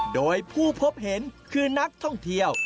โดยผู้พบเห็นคือนักท่องเที่ยว